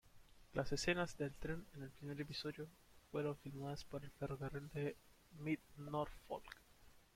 Las escenas del tren en el primer episodio fueron filmadas en el ferrocarril Mid-Norfolk.